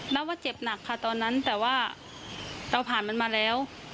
ว่าเจ็บหนักค่ะตอนนั้นแต่ว่าเราผ่านมันมาแล้ว